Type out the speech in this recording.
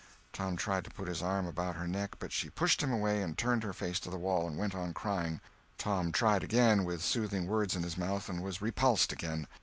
Tom tried to put his arm about her neck, but she pushed him away and turned her face to the wall, and went on crying. Tom tried again, with soothing words in his mouth, and was repulsed again.